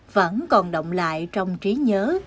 vẫn còn động lại trong trí nhớ